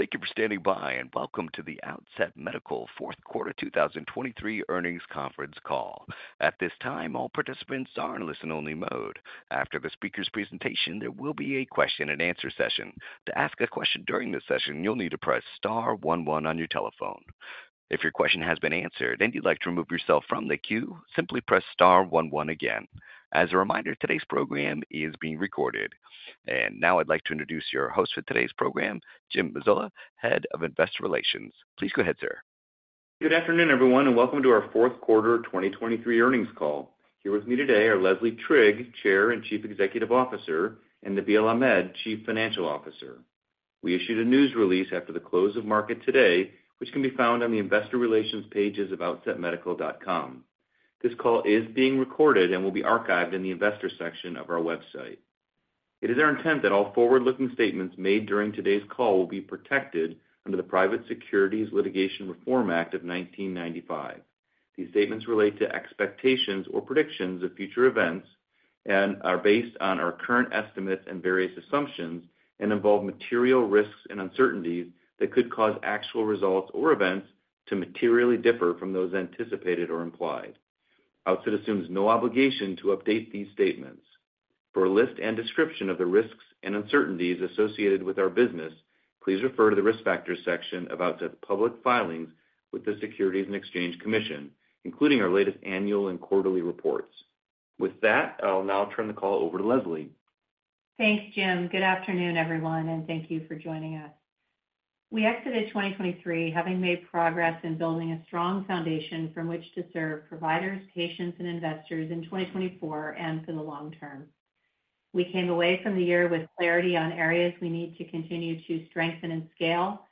Thank you for standing by and welcome to the Outset Medical Fourth Quarter 2023 Earnings Conference call. At this time, all participants are in listen-only mode. After the speaker's presentation, there will be a question-and-answer session. To ask a question during this session, you'll need to press star one one on your telephone. If your question has been answered and you'd like to remove yourself from the queue, simply press star one one again. As a reminder, today's program is being recorded. Now I'd like to introduce your host for today's program, Jim Mazzola, Head of Investor Relations. Please go ahead, sir. Good afternoon, everyone, and welcome to our Fourth Quarter 2023 Earnings Call. Here with me today are Leslie Trigg, Chair and Chief Executive Officer, and Nabeel Ahmed, Chief Financial Officer. We issued a news release after the close of market today, which can be found on the Investor Relations pages of outsetmedical.com. This call is being recorded and will be archived in the Investor section of our website. It is our intent that all forward-looking statements made during today's call will be protected under the Private Securities Litigation Reform Act of 1995. These statements relate to expectations or predictions of future events and are based on our current estimates and various assumptions and involve material risks and uncertainties that could cause actual results or events to materially differ from those anticipated or implied. Outset assumes no obligation to update these statements. For a list and description of the risks and uncertainties associated with our business, please refer to the Risk Factors section of Outset's public filings with the Securities and Exchange Commission, including our latest annual and quarterly reports. With that, I'll now turn the call over to Leslie. Thanks, Jim. Good afternoon, everyone, and thank you for joining us. We exited 2023 having made progress in building a strong foundation from which to serve providers, patients, and investors in 2024 and for the long term. We came away from the year with clarity on areas we need to continue to strengthen and scale,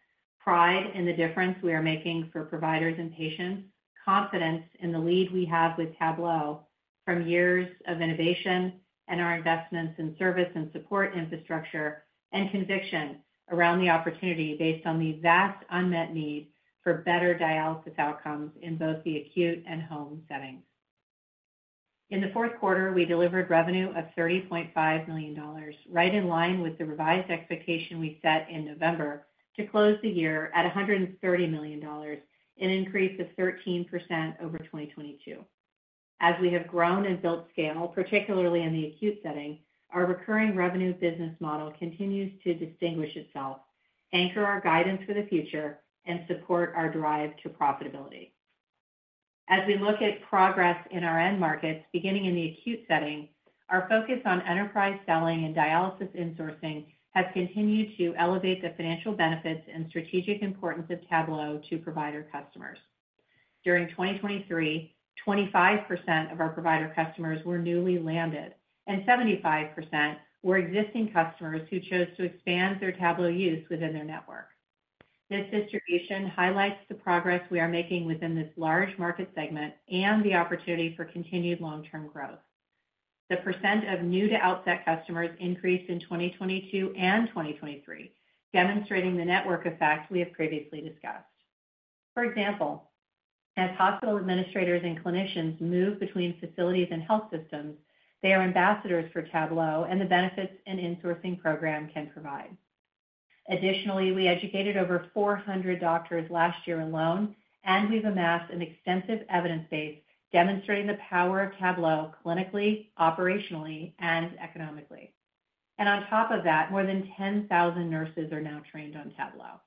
pride in the difference we are making for providers and patients, confidence in the lead we have with Tablo from years of innovation and our investments in service and support infrastructure, and conviction around the opportunity based on the vast unmet need for better dialysis outcomes in both the acute and home settings. In the fourth quarter, we delivered revenue of $30.5 million, right in line with the revised expectation we set in November to close the year at $130 million, an increase of 13% over 2022. As we have grown and built scale, particularly in the acute setting, our recurring revenue business model continues to distinguish itself, anchor our guidance for the future, and support our drive to profitability. As we look at progress in our end markets, beginning in the acute setting, our focus on enterprise selling and dialysis insourcing has continued to elevate the financial benefits and strategic importance of Tablo to provider customers. During 2023, 25% of our provider customers were newly landed, and 75% were existing customers who chose to expand their Tablo use within their network. This distribution highlights the progress we are making within this large market segment and the opportunity for continued long-term growth. The percent of new-to-Outset customers increased in 2022 and 2023, demonstrating the network effect we have previously discussed. For example, as hospital administrators and clinicians move between facilities and health systems, they are ambassadors for Tablo and the benefits an insourcing program can provide. Additionally, we educated over 400 doctors last year alone, and we've amassed an extensive evidence base demonstrating the power of Tablo clinically, operationally, and economically. And on top of that, more than 10,000 nurses are now trained on Tablo.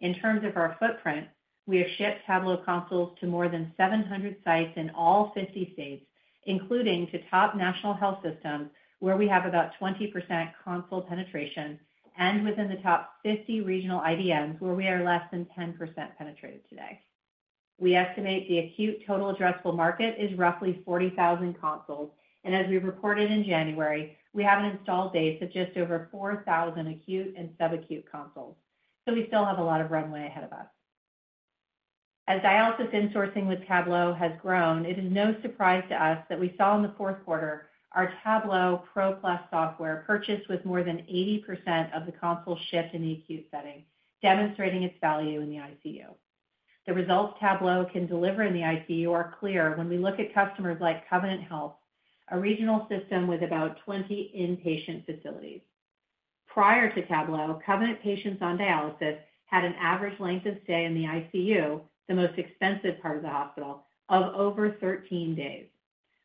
In terms of our footprint, we have shipped Tablo consoles to more than 700 sites in all 50 states, including to top national health systems where we have about 20% console penetration, and within the top 50 regional IDNs where we are less than 10% penetrated today. We estimate the acute total addressable market is roughly 40,000 consoles, and as we reported in January, we have an installed base of just over 4,000 acute and subacute consoles. So we still have a lot of runway ahead of us. As dialysis insourcing with Tablo has grown, it is no surprise to us that we saw in the fourth quarter our Tablo Pro+ software purchased with more than 80% of the console shipped in the acute setting, demonstrating its value in the ICU. The results Tablo can deliver in the ICU are clear when we look at customers like Covenant Health, a regional system with about 20 inpatient facilities. Prior to Tablo, Covenant patients on dialysis had an average length of stay in the ICU, the most expensive part of the hospital, of over 13 days.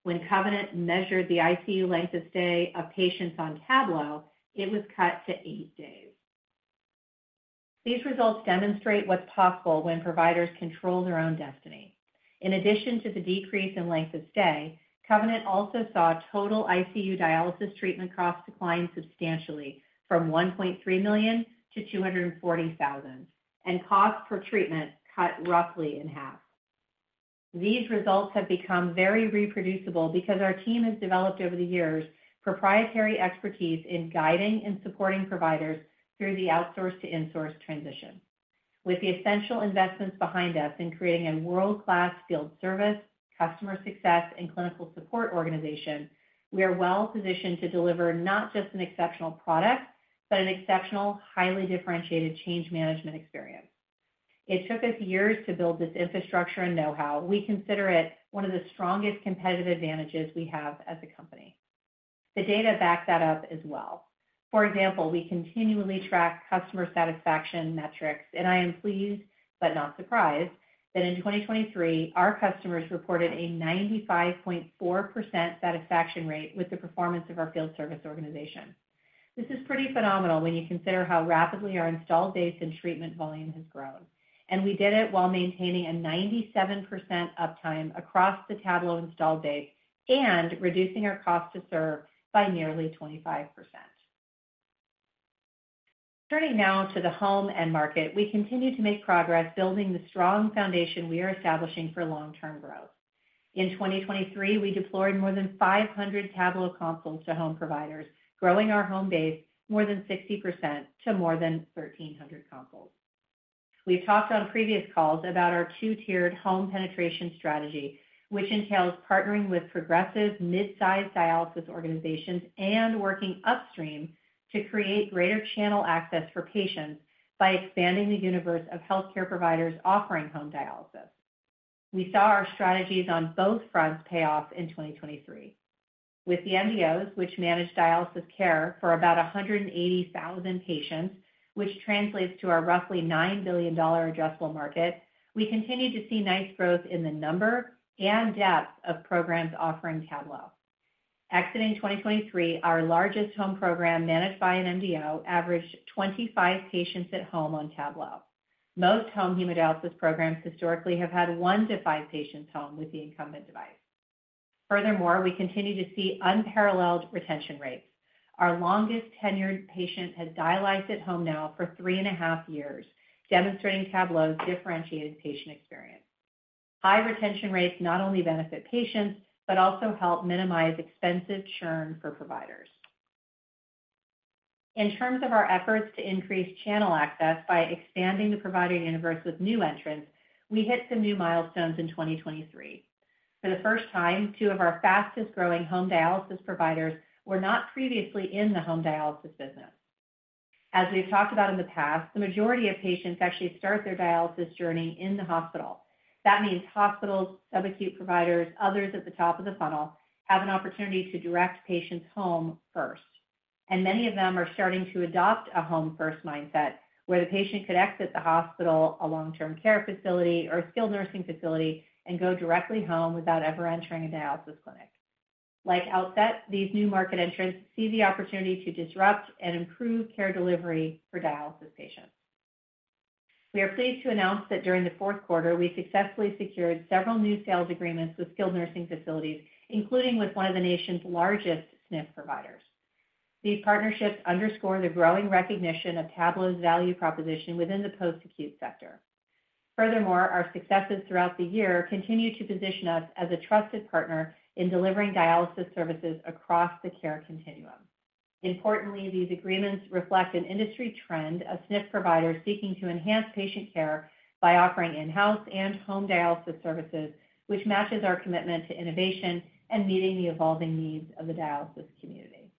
When Covenant measured the ICU length of stay of patients on Tablo, it was cut to eight days. These results demonstrate what's possible when providers control their own destiny. In addition to the decrease in length of stay, Covenant also saw total ICU dialysis treatment costs decline substantially from $1.3 million to $240,000, and costs per treatment cut roughly in half. These results have become very reproducible because our team has developed over the years proprietary expertise in guiding and supporting providers through the outsource-to-insource transition. With the essential investments behind us in creating a world-class field service, customer success, and clinical support organization, we are well positioned to deliver not just an exceptional product, but an exceptional, highly differentiated change management experience. It took us years to build this infrastructure and know-how. We consider it one of the strongest competitive advantages we have as a company. The data backs that up as well. For example, we continually track customer satisfaction metrics, and I am pleased but not surprised that in 2023, our customers reported a 95.4% satisfaction rate with the performance of our field service organization. This is pretty phenomenal when you consider how rapidly our installed base and treatment volume has grown. And we did it while maintaining a 97% uptime across the Tablo installed base and reducing our cost to serve by nearly 25%. Turning now to the home end market, we continue to make progress building the strong foundation we are establishing for long-term growth. In 2023, we deployed more than 500 Tablo consoles to home providers, growing our home base more than 60% to more than 1,300 consoles. We've talked on previous calls about our two-tiered home penetration strategy, which entails partnering with progressive midsize dialysis organizations and working upstream to create greater channel access for patients by expanding the universe of healthcare providers offering home dialysis. We saw our strategies on both fronts pay off in 2023. With the MDOs, which manage dialysis care for about 180,000 patients, which translates to our roughly $9 billion addressable market, we continue to see nice growth in the number and depth of programs offering Tablo. Exiting 2023, our largest home program managed by an MDO averaged 25 patients at home on Tablo. Most home hemodialysis programs historically have had one to five patients home with the incumbent device. Furthermore, we continue to see unparalleled retention rates. Our longest-tenured patient has dialyzed at home now for three and a half years, demonstrating Tablo's differentiated patient experience. High retention rates not only benefit patients but also help minimize expensive churn for providers. In terms of our efforts to increase channel access by expanding the provider universe with new entrants, we hit some new milestones in 2023. For the first time, two of our fastest-growing home dialysis providers were not previously in the home dialysis business. As we've talked about in the past, the majority of patients actually start their dialysis journey in the hospital. That means hospitals, subacute providers, others at the top of the funnel have an opportunity to direct patients home first. Many of them are starting to adopt a home-first mindset where the patient could exit the hospital, a long-term care facility, or a skilled nursing facility, and go directly home without ever entering a dialysis clinic. Like Outset, these new market entrants see the opportunity to disrupt and improve care delivery for dialysis patients. We are pleased to announce that during the fourth quarter, we successfully secured several new sales agreements with skilled nursing facilities, including with one of the nation's largest SNF providers. These partnerships underscore the growing recognition of Tablo's value proposition within the post-acute sector. Furthermore, our successes throughout the year continue to position us as a trusted partner in delivering dialysis services across the care continuum. Importantly, these agreements reflect an industry trend of SNF providers seeking to enhance patient care by offering in-house and home dialysis services, which matches our commitment to innovation and meeting the evolving needs of the dialysis community.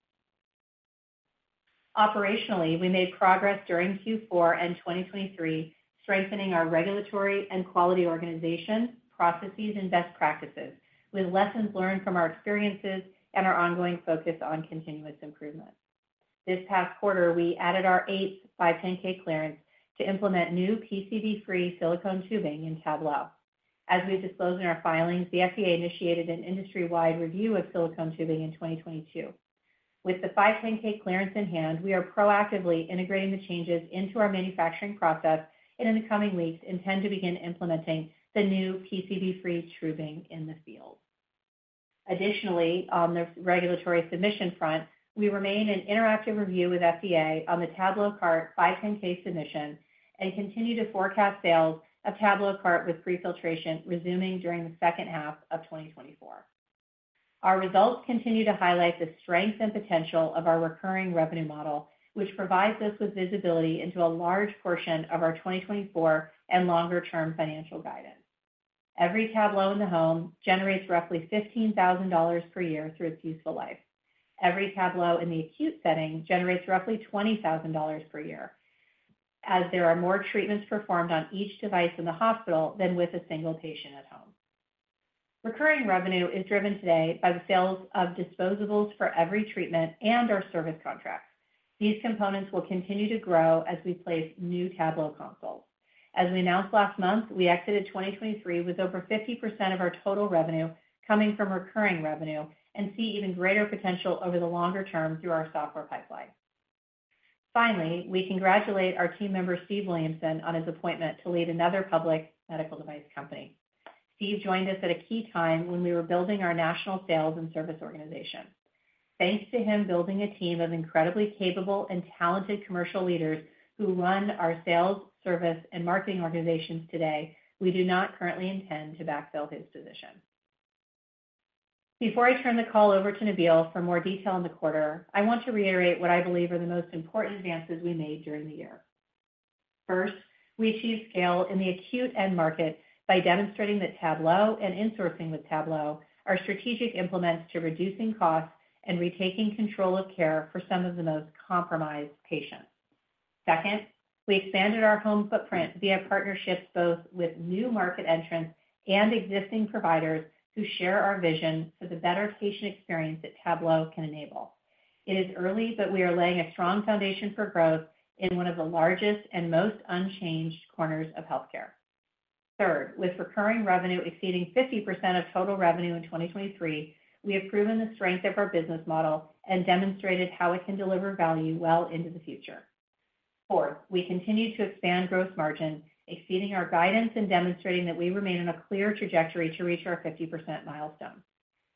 Operationally, we made progress during Q4 and 2023, strengthening our regulatory and quality organization, processes, and best practices with lessons learned from our experiences and our ongoing focus on continuous improvement. This past quarter, we added our eighth 510(k) clearance to implement new PVC-free silicone tubing in Tablo. As we've disclosed in our filings, the FDA initiated an industry-wide review of silicone tubing in 2022. With the 510(k) clearance in hand, we are proactively integrating the changes into our manufacturing process and in the coming weeks intend to begin implementing the new PVC-free tubing in the field. Additionally, on the regulatory submission front, we remain in interactive review with FDA on the TabloCart 510(k) submission and continue to forecast sales of TabloCart with pre-filtration resuming during the second half of 2024. Our results continue to highlight the strength and potential of our recurring revenue model, which provides us with visibility into a large portion of our 2024 and longer-term financial guidance. Every Tablo in the home generates roughly $15,000 per year through its useful life. Every Tablo in the acute setting generates roughly $20,000 per year, as there are more treatments performed on each device in the hospital than with a single patient at home. Recurring revenue is driven today by the sales of disposables for every treatment and our service contracts. These components will continue to grow as we place new Tablo consoles. As we announced last month, we exited 2023 with over 50% of our total revenue coming from recurring revenue and see even greater potential over the longer term through our software pipeline. Finally, we congratulate our team member Steve Williamson on his appointment to lead another public medical device company. Steve joined us at a key time when we were building our national sales and service organization. Thanks to him building a team of incredibly capable and talented commercial leaders who run our sales, service, and marketing organizations today, we do not currently intend to backfill his position. Before I turn the call over to Nabeel for more detail in the quarter, I want to reiterate what I believe are the most important advances we made during the year. First, we achieved scale in the acute end market by demonstrating that Tablo and insourcing with Tablo are strategic implements to reducing costs and retaking control of care for some of the most compromised patients. Second, we expanded our home footprint via partnerships both with new market entrants and existing providers who share our vision for the better patient experience that Tablo can enable. It is early, but we are laying a strong foundation for growth in one of the largest and most unchanged corners of healthcare. Third, with recurring revenue exceeding 50% of total revenue in 2023, we have proven the strength of our business model and demonstrated how it can deliver value well into the future. Fourth, we continue to expand gross margin, exceeding our guidance and demonstrating that we remain on a clear trajectory to reach our 50% milestone.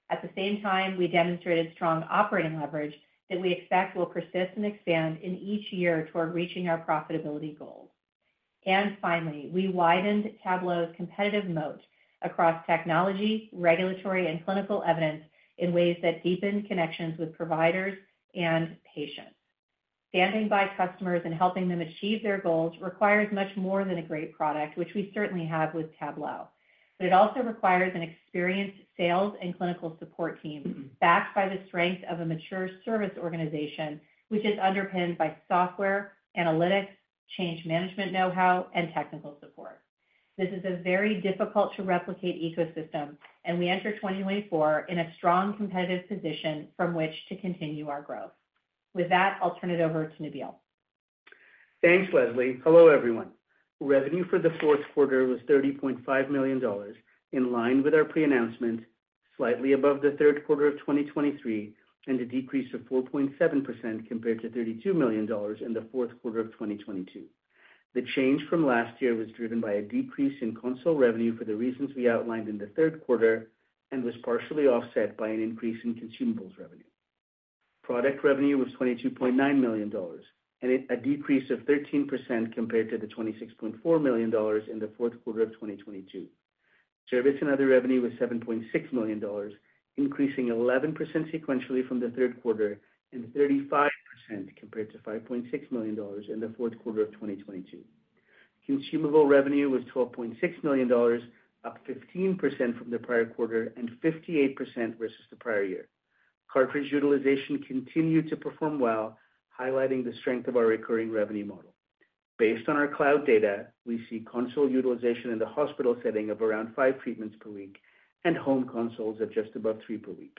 At the same time, we demonstrated strong operating leverage that we expect will persist and expand in each year toward reaching our profitability goals. And finally, we widened Tablo's competitive moat across technology, regulatory, and clinical evidence in ways that deepen connections with providers and patients. Standing by customers and helping them achieve their goals requires much more than a great product, which we certainly have with Tablo. But it also requires an experienced sales and clinical support team backed by the strength of a mature service organization, which is underpinned by software, analytics, change management know-how, and technical support. This is a very difficult-to-replicate ecosystem, and we enter 2024 in a strong competitive position from which to continue our growth. With that, I'll turn it over to Nabeel. Thanks, Leslie. Hello, everyone. Revenue for the fourth quarter was $30.5 million, in line with our pre-announcement, slightly above the third quarter of 2023 and a decrease of 4.7% compared to $32 million in the fourth quarter of 2022. The change from last year was driven by a decrease in console revenue for the reasons we outlined in the third quarter and was partially offset by an increase in consumables revenue. Product revenue was $22.9 million, and a decrease of 13% compared to the $26.4 million in the fourth quarter of 2022. Service and other revenue was $7.6 million, increasing 11% sequentially from the third quarter and 35% compared to $5.6 million in the fourth quarter of 2022. Consumable revenue was $12.6 million, up 15% from the prior quarter and 58% versus the prior year. Cartridge utilization continued to perform well, highlighting the strength of our recurring revenue model. Based on our cloud data, we see console utilization in the hospital setting of around five treatments per week and home consoles of just above three per week.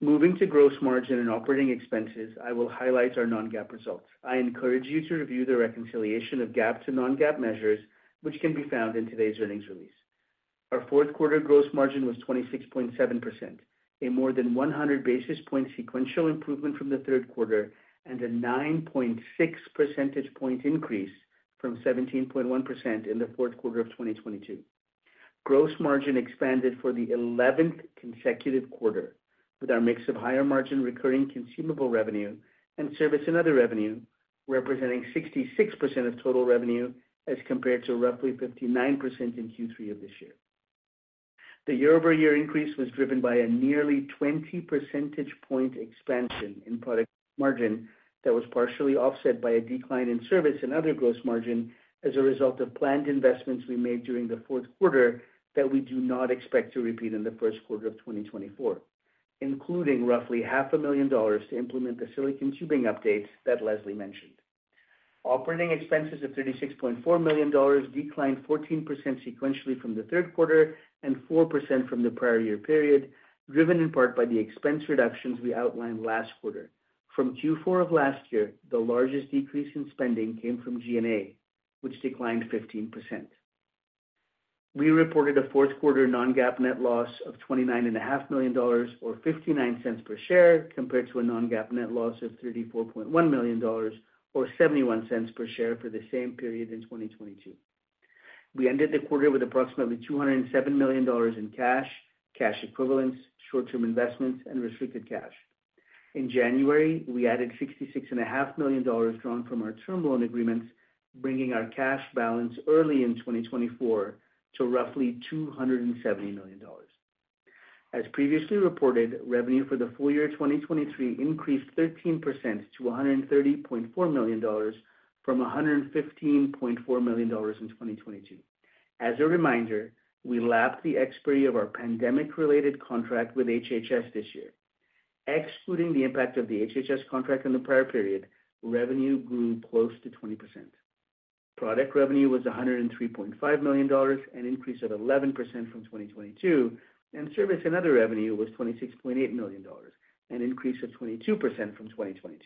Moving to gross margin and operating expenses, I will highlight our non-GAAP results. I encourage you to review the reconciliation of GAAP to non-GAAP measures, which can be found in today's earnings release. Our fourth quarter gross margin was 26.7%, a more than 100 basis points sequential improvement from the third quarter and a 9.6 percentage point increase from 17.1% in the fourth quarter of 2022. Gross margin expanded for the 11th consecutive quarter with our mix of higher margin recurring consumable revenue and service and other revenue, representing 66% of total revenue as compared to roughly 59% in Q3 of this year. The year-over-year increase was driven by a nearly 20 percentage point expansion in product margin that was partially offset by a decline in service and other gross margin as a result of planned investments we made during the fourth quarter that we do not expect to repeat in the first quarter of 2024, including roughly $500,000 to implement the silicone tubing updates that Leslie mentioned. Operating expenses of $36.4 million declined 14% sequentially from the third quarter and 4% from the prior year period, driven in part by the expense reductions we outlined last quarter. From Q4 of last year, the largest decrease in spending came from G&A, which declined 15%. We reported a fourth quarter non-GAAP net loss of $29.5 million or $0.59 per share compared to a non-GAAP net loss of $34.1 million or $0.71 per share for the same period in 2022. We ended the quarter with approximately $207 million in cash, cash equivalents, short-term investments, and restricted cash. In January, we added $66.5 million drawn from our term loan agreements, bringing our cash balance early in 2024 to roughly $270 million. As previously reported, revenue for the full year 2023 increased 13% to $130.4 million from $115.4 million in 2022. As a reminder, we lapped the expiry of our pandemic-related contract with HHS this year. Excluding the impact of the HHS contract in the prior period, revenue grew close to 20%. Product revenue was $103.5 million, an increase of 11% from 2022, and service and other revenue was $26.8 million, an increase of 22% from 2022.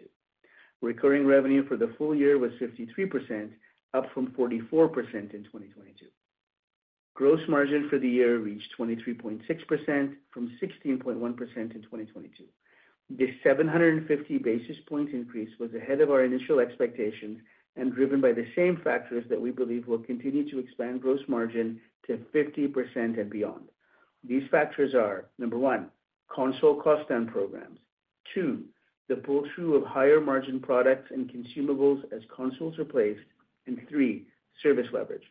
Recurring revenue for the full year was 53%, up from 44% in 2022. Gross margin for the year reached 23.6% from 16.1% in 2022. This 750 basis point increase was ahead of our initial expectations and driven by the same factors that we believe will continue to expand gross margin to 50% and beyond. These factors are, number one, console cost down programs. Two, the pull-through of higher margin products and consumables as consoles are placed. And three, service leverage.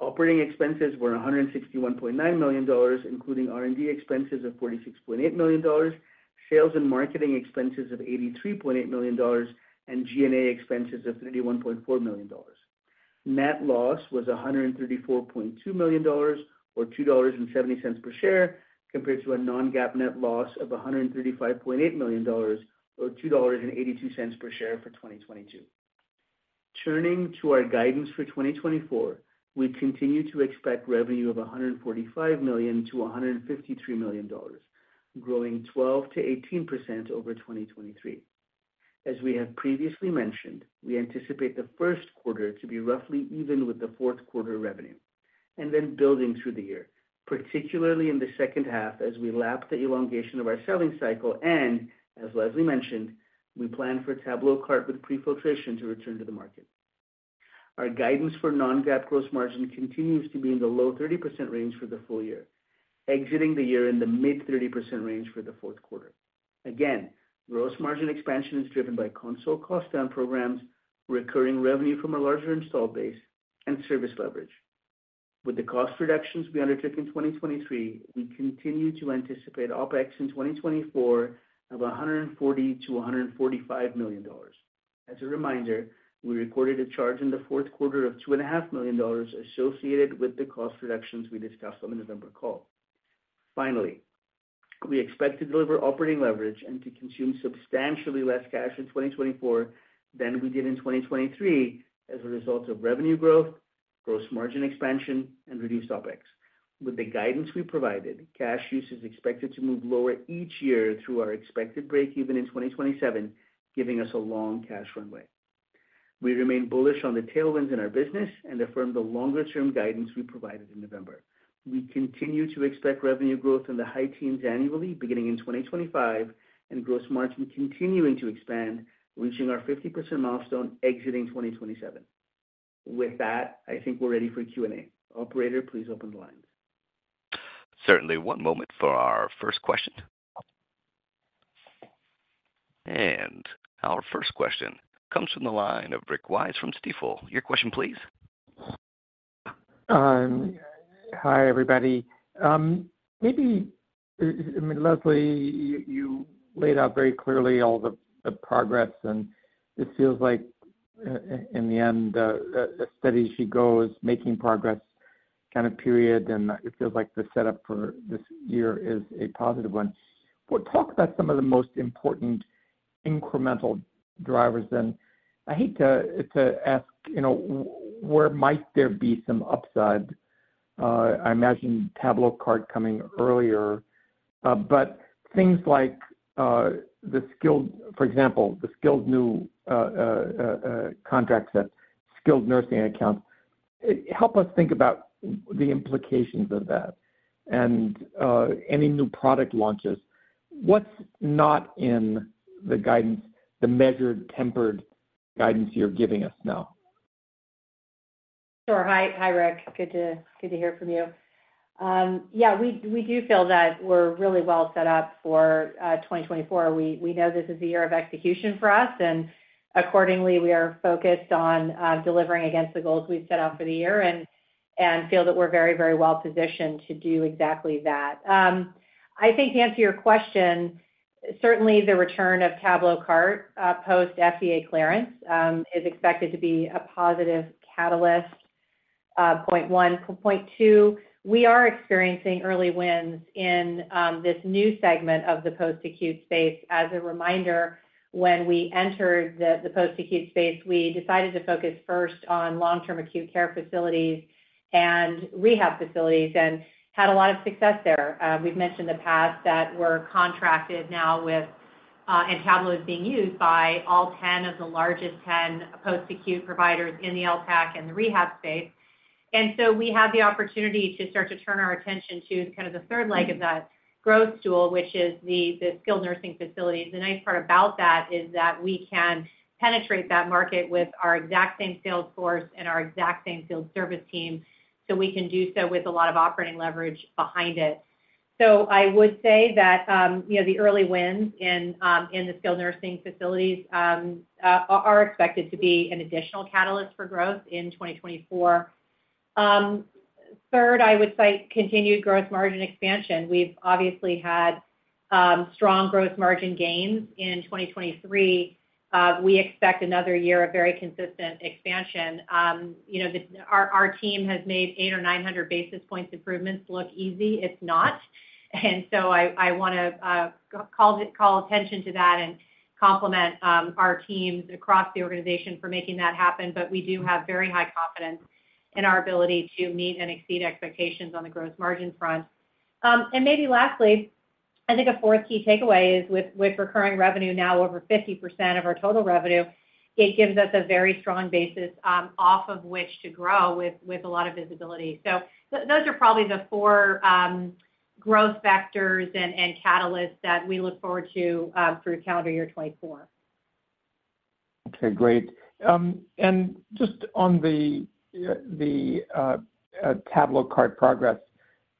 Operating expenses were $161.9 million, including R&D expenses of $46.8 million, sales and marketing expenses of $83.8 million, and G&A expenses of $31.4 million. Net loss was $134.2 million or $2.70 per share compared to a non-GAAP net loss of $135.8 million or $2.82 per share for 2022. Turning to our guidance for 2024, we continue to expect revenue of $145 million-$153 million, growing 12%-18% over 2023. As we have previously mentioned, we anticipate the first quarter to be roughly even with the fourth quarter revenue and then building through the year, particularly in the second half as we lap the elongation of our selling cycle and, as Leslie mentioned, we plan for TabloCart with pre-filtration to return to the market. Our guidance for non-GAAP gross margin continues to be in the low 30% range for the full year, exiting the year in the mid-30% range for the fourth quarter. Again, gross margin expansion is driven by console cost down programs, recurring revenue from a larger install base, and service leverage. With the cost reductions we undertook in 2023, we continue to anticipate OpEx in 2024 of $140 million-$145 million. As a reminder, we recorded a charge in the fourth quarter of $2.5 million associated with the cost reductions we discussed on the November call. Finally, we expect to deliver operating leverage and to consume substantially less cash in 2024 than we did in 2023 as a result of revenue growth, gross margin expansion, and reduced OpEx. With the guidance we provided, cash use is expected to move lower each year through our expected break-even in 2027, giving us a long cash runway. We remain bullish on the tailwinds in our business and affirm the longer-term guidance we provided in November. We continue to expect revenue growth in the high teens annually beginning in 2025 and gross margin continuing to expand, reaching our 50% milestone exiting 2027. With that, I think we're ready for Q&A. Operator, please open the lines. Certainly. One moment for our first question. Our first question comes from the line of Rick Wise from Stifel. Your question, please. Hi, everybody. I mean, Leslie, you laid out very clearly all the progress, and it feels like in the end, as steady as she goes, making progress kind of period, and it feels like the setup for this year is a positive one. Talk about some of the most important incremental drivers, then. I hate to ask, where might there be some upside? I imagine TabloCart coming earlier, but things like the skilled for example, the skilled new contract set, skilled nursing accounts, help us think about the implications of that and any new product launches. What's not in the guidance, the measured, tempered guidance you're giving us now? Sure. Hi, Rick. Good to hear from you. Yeah, we do feel that we're really well set up for 2024. We know this is a year of execution for us, and accordingly, we are focused on delivering against the goals we've set out for the year and feel that we're very, very well positioned to do exactly that. I think to answer your question, certainly the return of TabloCart post-FDA clearance is expected to be a positive catalyst. Point one. Point two, we are experiencing early wins in this new segment of the post-acute space. As a reminder, when we entered the post-acute space, we decided to focus first on long-term acute care facilities and rehab facilities and had a lot of success there. We've mentioned in the past that we're contracted now with and Tablo is being used by all 10 of the largest 10 post-acute providers in the LTAC and the rehab space. So we have the opportunity to start to turn our attention to kind of the third leg of that growth stool, which is the skilled nursing facilities. The nice part about that is that we can penetrate that market with our exact same sales force and our exact same field service team, so we can do so with a lot of operating leverage behind it. So I would say that the early wins in the skilled nursing facilities are expected to be an additional catalyst for growth in 2024. Third, I would cite continued gross margin expansion. We've obviously had strong gross margin gains in 2023. We expect another year of very consistent expansion. Our team has made 800 or 900 basis points improvements look easy. It's not. And so I want to call attention to that and compliment our teams across the organization for making that happen. But we do have very high confidence in our ability to meet and exceed expectations on the gross margin front. And maybe lastly, I think a fourth key takeaway is with recurring revenue now over 50% of our total revenue, it gives us a very strong basis off of which to grow with a lot of visibility. So those are probably the four growth vectors and catalysts that we look forward to through calendar year 2024. Okay, great. And just on the TabloCart progress,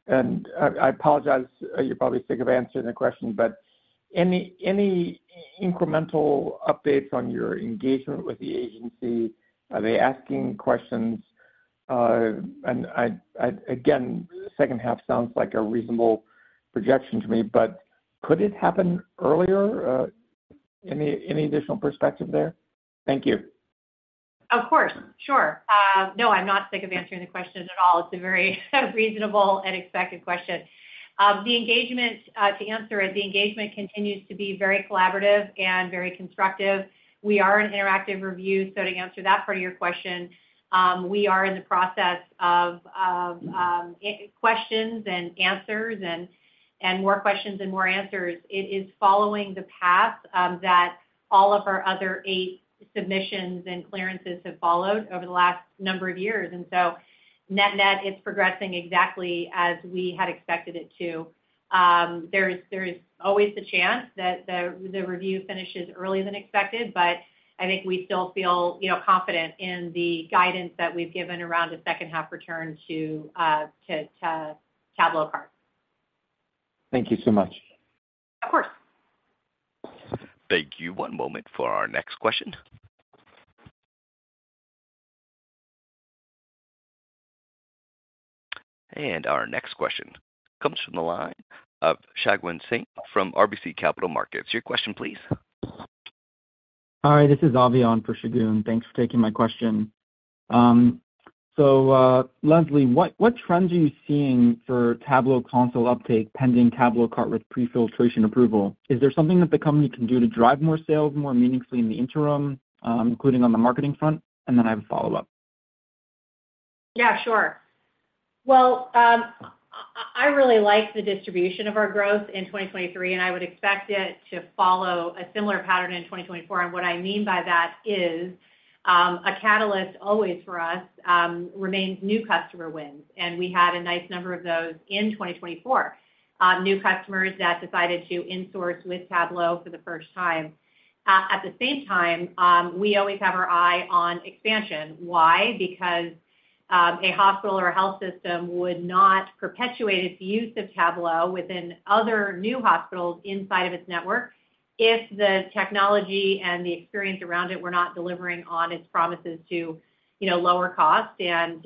and I apologize, you're probably sick of answering the question, but any incremental updates on your engagement with the agency? Are they asking questions? And again, the second half sounds like a reasonable projection to me, but could it happen earlier? Any additional perspective there? Thank you. Of course. Sure. No, I'm not sick of answering the question at all. It's a very reasonable and expected question. To answer it, the engagement continues to be very collaborative and very constructive. We are an interactive review. So to answer that part of your question, we are in the process of questions and answers and more questions and more answers. It is following the path that all of our other eight submissions and clearances have followed over the last number of years. And so net-net, it's progressing exactly as we had expected it to. There's always the chance that the review finishes earlier than expected, but I think we still feel confident in the guidance that we've given around a second-half return to TabloCart. Thank you so much. Of course. Thank you. One moment for our next question. Our next question comes from the line of Shagun Singh from RBC Capital Markets. Your question, please. Hi, this is Avian for Shagun. Thanks for taking my question. So Leslie, what trends are you seeing for Tablo console uptake pending TabloCart with pre-filtration approval? Is there something that the company can do to drive more sales more meaningfully in the interim, including on the marketing front? And then I have a follow-up. Yeah, sure. Well, I really like the distribution of our growth in 2023, and I would expect it to follow a similar pattern in 2024. And what I mean by that is a catalyst always for us remains new customer wins. And we had a nice number of those in 2024, new customers that decided to insource with Tablo for the first time. At the same time, we always have our eye on expansion. Why? Because a hospital or a health system would not perpetuate its use of Tablo within other new hospitals inside of its network if the technology and the experience around it were not delivering on its promises to lower cost and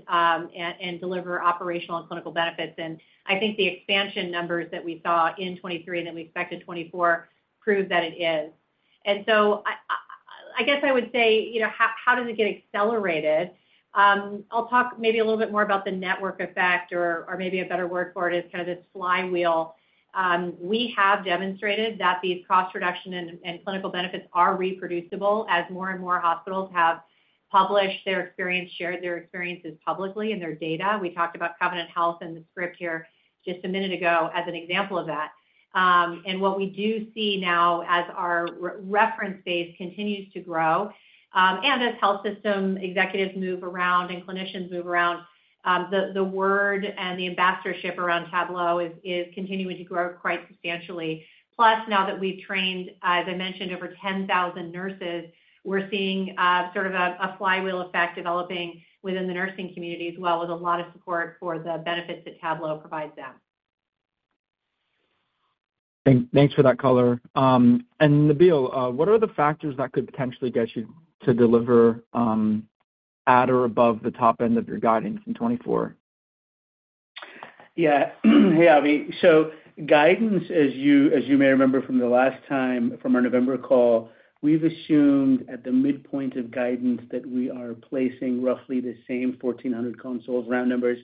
deliver operational and clinical benefits. And I think the expansion numbers that we saw in 2023 and that we expected 2024 prove that it is. And so I guess I would say, how does it get accelerated? I'll talk maybe a little bit more about the network effect, or maybe a better word for it is kind of this flywheel. We have demonstrated that these cost reduction and clinical benefits are reproducible as more and more hospitals have published their experience, shared their experiences publicly in their data. We talked about Covenant Health and the script here just a minute ago as an example of that. And what we do see now as our reference base continues to grow and as health system executives move around and clinicians move around, the word and the ambassadorship around Tablo is continuing to grow quite substantially. Plus, now that we've trained, as I mentioned, over 10,000 nurses, we're seeing sort of a flywheel effect developing within the nursing community as well with a lot of support for the benefits that Tablo provides them. Thanks for that color. Nabeel, what are the factors that could potentially get you to deliver at or above the top end of your guidance in 2024? Yeah. Yeah, I mean, so guidance, as you may remember from the last time from our November call, we've assumed at the midpoint of guidance that we are placing roughly the same 1,400 consoles, round numbers,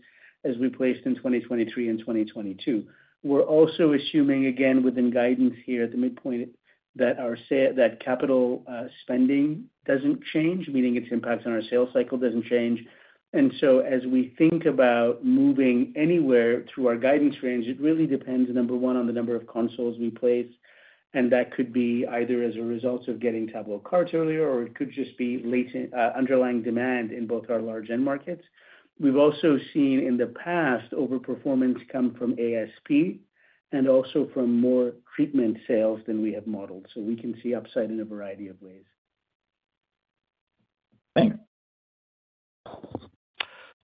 as we placed in 2023 and 2022. We're also assuming, again, within guidance here at the midpoint, that capital spending doesn't change, meaning its impact on our sales cycle doesn't change. And so as we think about moving anywhere through our guidance range, it really depends, number one, on the number of consoles we place. And that could be either as a result of getting TabloCart earlier, or it could just be underlying demand in both our large end markets. We've also seen in the past overperformance come from ASP and also from more treatment sales than we have modeled. So we can see upside in a variety of ways. Thanks.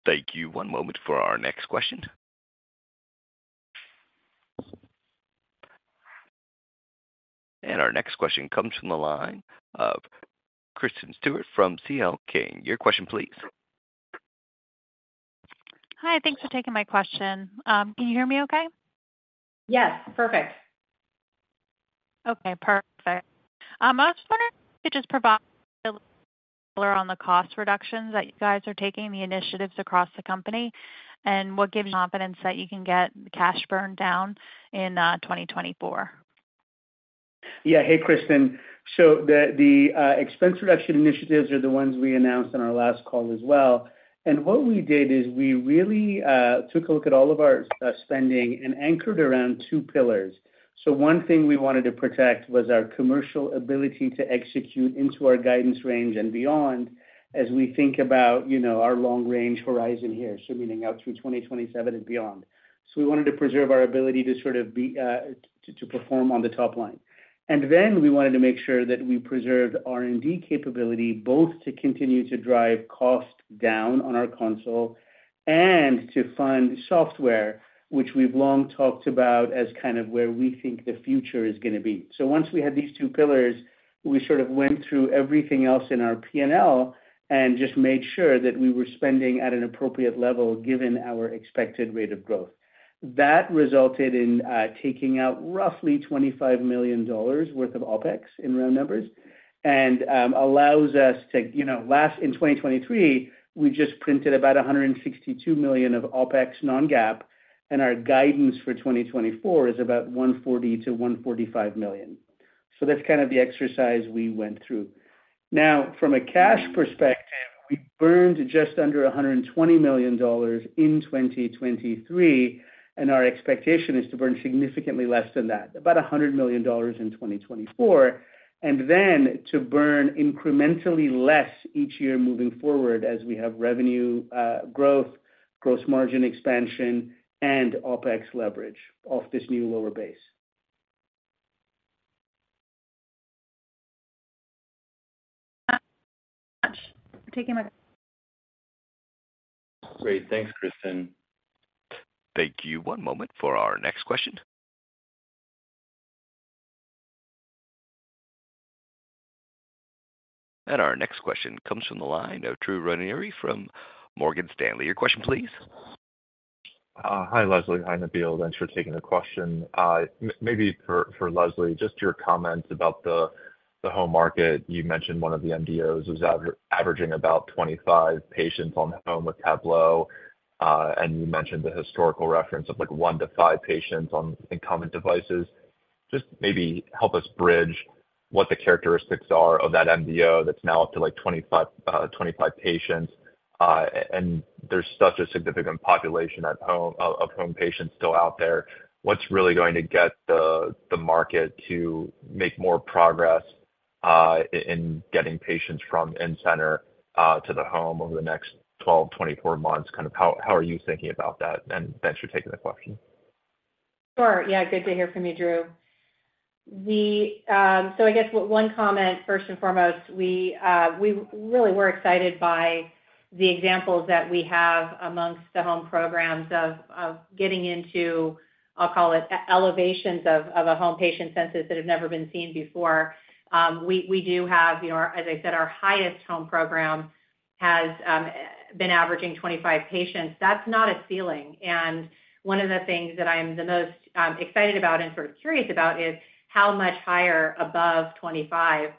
Thank you. One moment for our next question. Our next question comes from the line of Kristen Stewart from CL King. Your question, please. Hi, thanks for taking my question. Can you hear me okay? Yes, perfect. Okay, perfect. I was wondering if you could just provide a little bit more on the cost reductions that you guys are taking, the initiatives across the company, and what gives you confidence that you can get the cash burned down in 2024? Yeah. Hey, Kristen. So the expense reduction initiatives are the ones we announced on our last call as well. And what we did is we really took a look at all of our spending and anchored around two pillars. So one thing we wanted to protect was our commercial ability to execute into our guidance range and beyond as we think about our long-range horizon here, so meaning out through 2027 and beyond. So we wanted to preserve our ability to sort of perform on the top line. And then we wanted to make sure that we preserved R&D capability both to continue to drive cost down on our console and to fund software, which we've long talked about as kind of where we think the future is going to be. So once we had these two pillars, we sort of went through everything else in our P&L and just made sure that we were spending at an appropriate level given our expected rate of growth. That resulted in taking out roughly $25 million worth of OpEx in round numbers and allows us to last in 2023; we just printed about $162 million of OpEx non-GAAP, and our guidance for 2024 is about $140 million-$145 million. So that's kind of the exercise we went through. Now, from a cash perspective, we burned just under $120 million in 2023, and our expectation is to burn significantly less than that, about $100 million in 2024, and then to burn incrementally less each year moving forward as we have revenue growth, gross margin expansion, and OpEx leverage off this new lower base. Thanks so much. Great. Thanks, Kristen. Thank you. One moment for our next question. Our next question comes from the line of Drew Ranieri from Morgan Stanley. Your question, please. Hi, Leslie. Hi, Nabeel. Thanks for taking the question. Maybe for Leslie, just your comments about the home market. You mentioned one of the MDOs was averaging about 25 patients on home with Tablo. And you mentioned the historical reference of one to five patients on incumbent devices. Just maybe help us bridge what the characteristics are of that MDO that's now up to 25 patients. And there's such a significant population of home patients still out there. What's really going to get the market to make more progress in getting patients from in-center to the home over the next 12-24 months? Kind of how are you thinking about that? And thanks for taking the question. Sure. Yeah, good to hear from you, Drew. So I guess one comment, first and foremost, we really were excited by the examples that we have amongst the home programs of getting into, I'll call it, elevations of a home patient census that have never been seen before. We do have, as I said, our highest home program has been averaging 25 patients. That's not a ceiling. And one of the things that I'm the most excited about and sort of curious about is how much higher above 25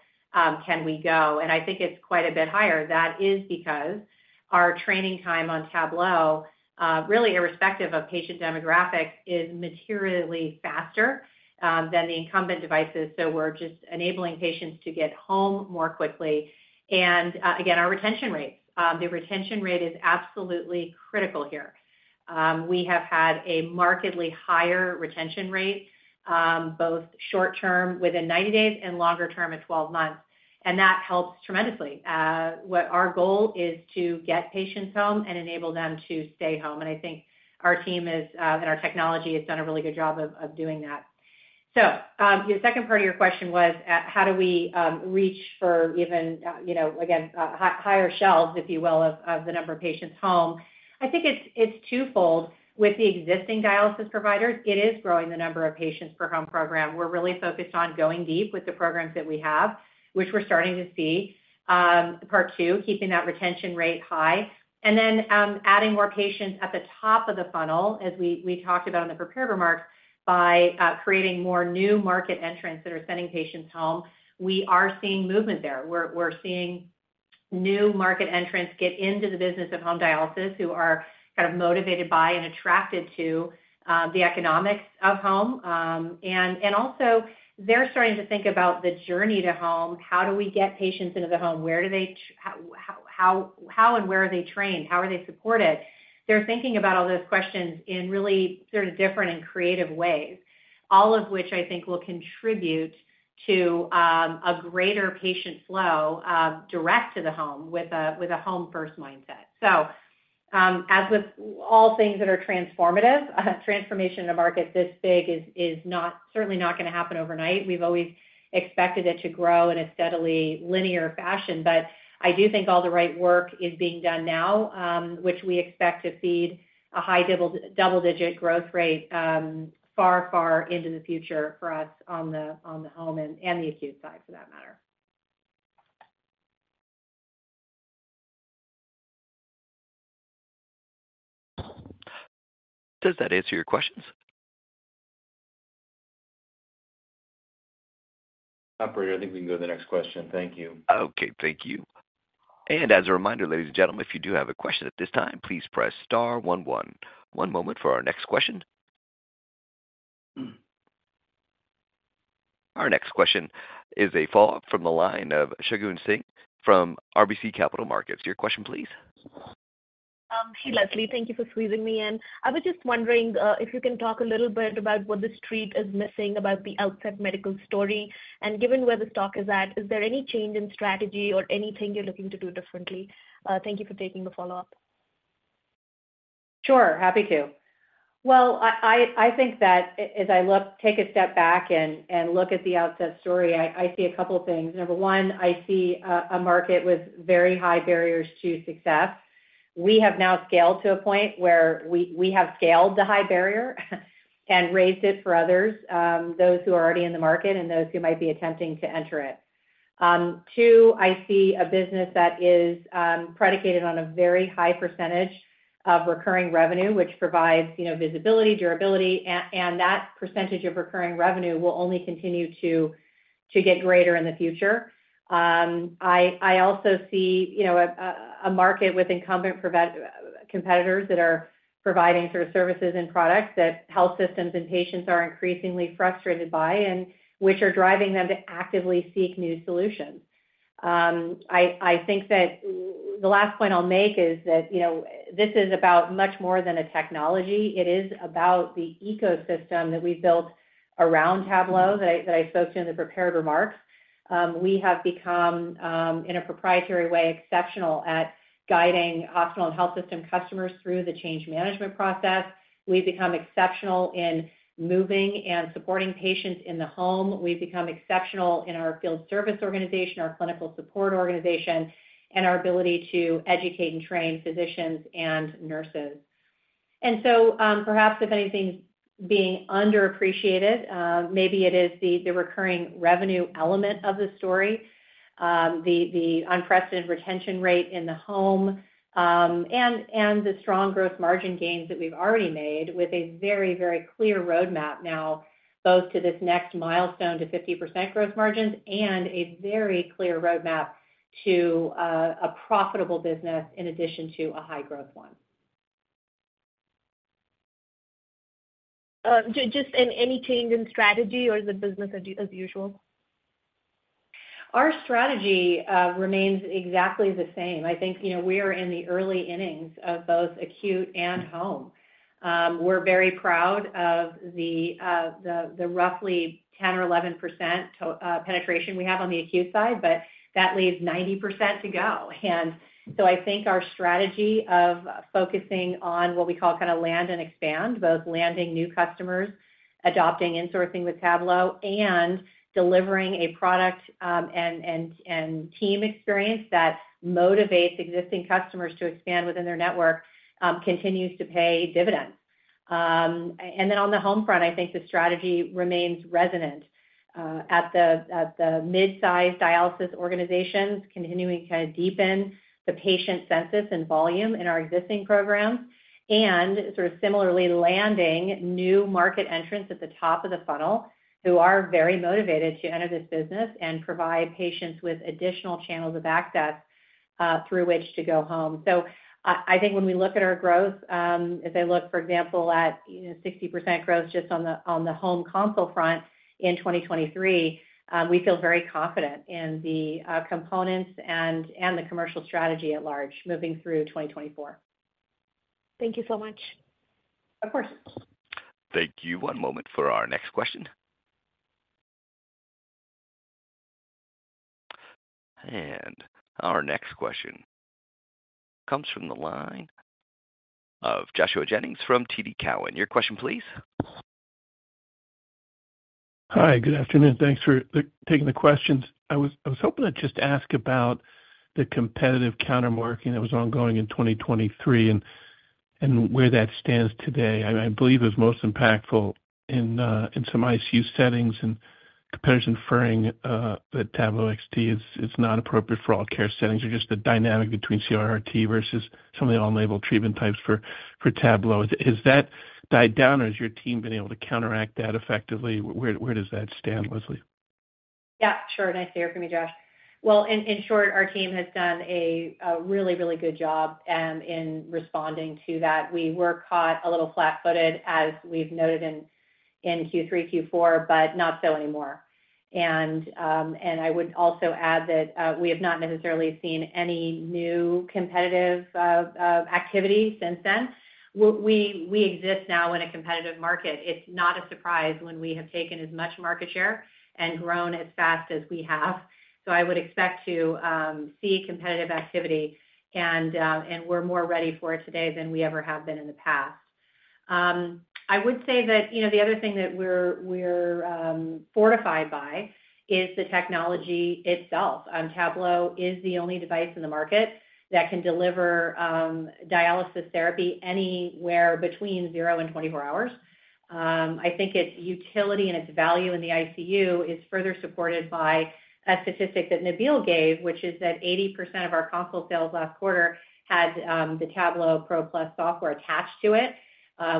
can we go? And I think it's quite a bit higher. That is because our training time on Tablo, really irrespective of patient demographics, is materially faster than the incumbent devices. So we're just enabling patients to get home more quickly. And again, our retention rates. The retention rate is absolutely critical here. We have had a markedly higher retention rate, both short-term within 90 days and longer-term at 12 months. And that helps tremendously. Our goal is to get patients home and enable them to stay home. And I think our team and our technology has done a really good job of doing that. So the second part of your question was, how do we reach for even, again, higher shelves, if you will, of the number of patients home? I think it's twofold. With the existing dialysis providers, it is growing the number of patients per home program. We're really focused on going deep with the programs that we have, which we're starting to see, part two, keeping that retention rate high, and then adding more patients at the top of the funnel, as we talked about in the prepared remarks, by creating more new market entrants that are sending patients home. We are seeing movement there. We're seeing new market entrants get into the business of home dialysis who are kind of motivated by and attracted to the economics of home. And also, they're starting to think about the journey to home. How do we get patients into the home? How and where are they trained? How are they supported? They're thinking about all those questions in really sort of different and creative ways, all of which I think will contribute to a greater patient flow direct to the home with a home-first mindset. So as with all things that are transformative, transformation in a market this big is certainly not going to happen overnight. We've always expected it to grow in a steadily linear fashion. But I do think all the right work is being done now, which we expect to feed a high double-digit growth rate far, far into the future for us on the home and the acute side, for that matter. Does that answer your questions? Operator, I think we can go to the next question. Thank you. Okay. Thank you. And as a reminder, ladies and gentlemen, if you do have a question at this time, please press star one one. One moment for our next question. Our next question is a follow-up from the line of Shagun Singh from RBC Capital Markets. Your question, please. Hey, Leslie. Thank you for squeezing me in. I was just wondering if you can talk a little bit about what the street is missing about the Outset Medical story. And given where the stock is at, is there any change in strategy or anything you're looking to do differently? Thank you for taking the follow-up. Sure. Happy to. Well, I think that as I take a step back and look at the Outset story, I see a couple of things. Number one, I see a market with very high barriers to success. We have now scaled to a point where we have scaled the high barrier and raised it for others, those who are already in the market and those who might be attempting to enter it. Two, I see a business that is predicated on a very high percentage of recurring revenue, which provides visibility, durability, and that percentage of recurring revenue will only continue to get greater in the future. I also see a market with incumbent competitors that are providing sort of services and products that health systems and patients are increasingly frustrated by and which are driving them to actively seek new solutions. I think that the last point I'll make is that this is about much more than a technology. It is about the ecosystem that we've built around Tablo that I spoke to in the prepared remarks. We have become, in a proprietary way, exceptional at guiding hospital and health system customers through the change management process. We've become exceptional in moving and supporting patients in the home. We've become exceptional in our field service organization, our clinical support organization, and our ability to educate and train physicians and nurses. And so perhaps, if anything's being underappreciated, maybe it is the recurring revenue element of the story, the unprecedented retention rate in the home, and the strong growth margin gains that we've already made with a very, very clear roadmap now both to this next milestone to 50% growth margins and a very clear roadmap to a profitable business in addition to a high-growth one. Just any change in strategy, or is it business as usual? Our strategy remains exactly the same. I think we are in the early innings of both acute and home. We're very proud of the roughly 10% or 11% penetration we have on the acute side, but that leaves 90% to go. And so I think our strategy of focusing on what we call kind of land and expand, both landing new customers, adopting insourcing with Tablo, and delivering a product and team experience that motivates existing customers to expand within their network continues to pay dividends. And then on the home front, I think the strategy remains resonant at the midsize dialysis organizations, continuing to kind of deepen the patient census and volume in our existing programs, and sort of similarly landing new market entrants at the top of the funnel who are very motivated to enter this business and provide patients with additional channels of access through which to go home. So I think when we look at our growth, as I look, for example, at 60% growth just on the home console front in 2023, we feel very confident in the components and the commercial strategy at large moving through 2024. Thank you so much. Of course. Thank you. One moment for our next question. And our next question comes from the line of Joshua Jennings from TD Cowen. Your question, please. Hi. Good afternoon. Thanks for taking the questions. I was hoping to just ask about the competitive counter-marketing that was ongoing in 2023 and where that stands today. I believe it was most impactful in some ICU settings and competitors inferring that Tablo is not appropriate for all-care settings or just the dynamic between CRRT versus some of the on-label treatment types for Tablo. Has that died down, or has your team been able to counteract that effectively? Where does that stand, Leslie? Yeah. Sure. Nice to hear from you, Josh. Well, in short, our team has done a really, really good job in responding to that. We were caught a little flat-footed, as we've noted in Q3, Q4, but not so anymore. And I would also add that we have not necessarily seen any new competitive activity since then. We exist now in a competitive market. It's not a surprise when we have taken as much market share and grown as fast as we have. So I would expect to see competitive activity, and we're more ready for it today than we ever have been in the past. I would say that the other thing that we're fortified by is the technology itself. Tablo is the only device in the market that can deliver dialysis therapy anywhere between zero and 24 hours. I think its utility and its value in the ICU is further supported by a statistic that Nabeel gave, which is that 80% of our console sales last quarter had the Tablo Pro Plus software attached to it,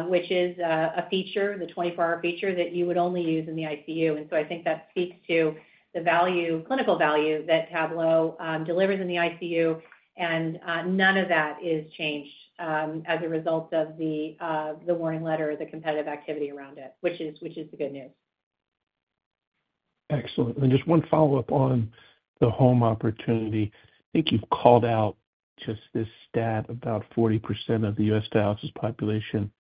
which is a feature, the 24-hour feature, that you would only use in the ICU. And so I think that speaks to the clinical value that Tablo delivers in the ICU. And none of that is changed as a result of the warning letter or the competitive activity around it, which is the good news. Excellent. Just one follow-up on the home opportunity. I think you've called out just this stat about 40% of the U.S. dialysis population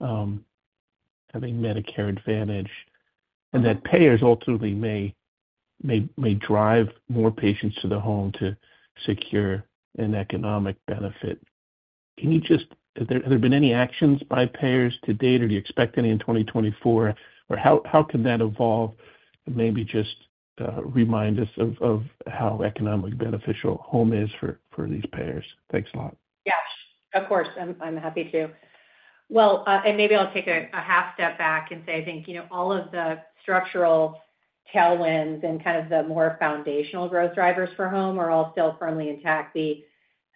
having Medicare Advantage and that payers ultimately may drive more patients to the home to secure an economic benefit. Can you just have there been any actions by payers to date, or do you expect any in 2024? Or how can that evolve and maybe just remind us of how economically beneficial home is for these payers? Thanks a lot. Yeah. Of course. I'm happy to. Well, and maybe I'll take a half step back and say, I think all of the structural tailwinds and kind of the more foundational growth drivers for home are all still firmly intact.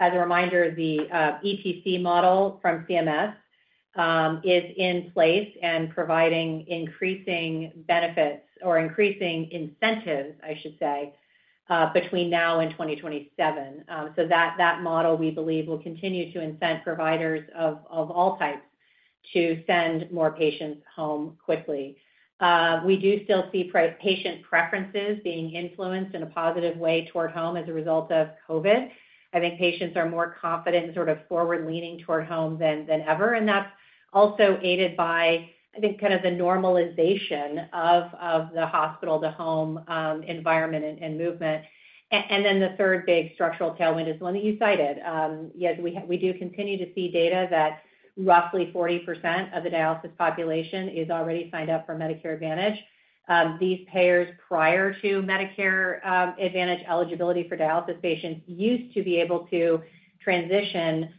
As a reminder, the ETC model from CMS is in place and providing increasing benefits or increasing incentives, I should say, between now and 2027. So that model, we believe, will continue to incent providers of all types to send more patients home quickly. We do still see patient preferences being influenced in a positive way toward home as a result of COVID. I think patients are more confident and sort of forward-leaning toward home than ever. And that's also aided by, I think, kind of the normalization of the hospital-to-home environment and movement. And then the third big structural tailwind is the one that you cited. Yes, we do continue to see data that roughly 40% of the dialysis population is already signed up for Medicare Advantage. These payers, prior to Medicare Advantage eligibility for dialysis patients, used to be able to transition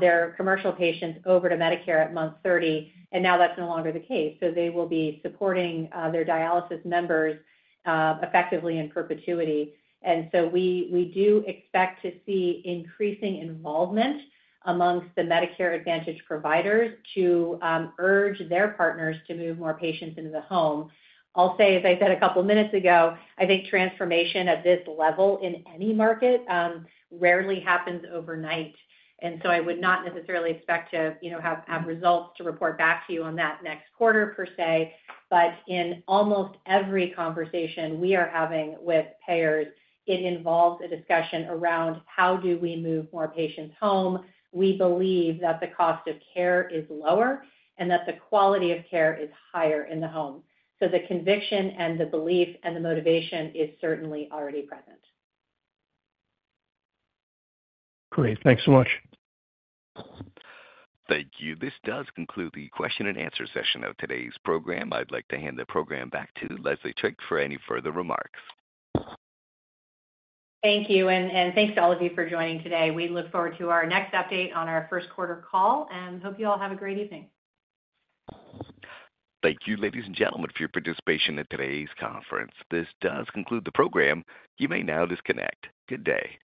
their commercial patients over to Medicare at month 30. Now that's no longer the case. They will be supporting their dialysis members effectively in perpetuity. We do expect to see increasing involvement amongst the Medicare Advantage providers to urge their partners to move more patients into the home. I'll say, as I said a couple of minutes ago, I think transformation at this level in any market rarely happens overnight. I would not necessarily expect to have results to report back to you on that next quarter, per se. In almost every conversation we are having with payers, it involves a discussion around how do we move more patients home? We believe that the cost of care is lower and that the quality of care is higher in the home. The conviction and the belief and the motivation is certainly already present. Great. Thanks so much. Thank you. This does conclude the question-and-answer session of today's program. I'd like to hand the program back to Leslie Trigg for any further remarks. Thank you. Thanks to all of you for joining today. We look forward to our next update on our first-quarter call and hope you all have a great evening. Thank you, ladies and gentlemen, for your participation in today's conference. This does conclude the program. You may now disconnect. Good day.